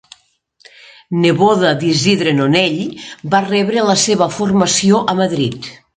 Neboda d'Isidre Nonell, va rebre la seva formació a Madrid.